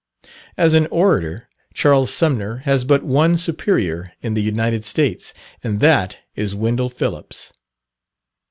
As an orator, Charles Sumner has but one superior in the United States, and that is Wendell Phillips.